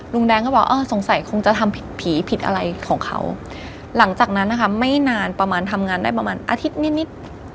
ลุงแดงก็บอกเออสงสัยคงจะทำผิดผีผิดอะไรของเขาหลังจากนั้นนะคะไม่นานประมาณทำงานได้ประมาณอาทิตย์นิดนิด